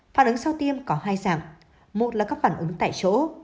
phản ứng sau tiêm có hai dạng một là các phản ứng tại chỗ